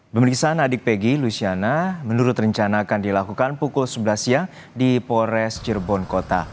pemeriksaan adik peggy luciana menurut rencana akan dilakukan pukul sebelas siang di polres cirebon kota